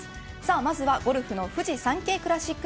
まずはゴルフのフジサンケイクラシック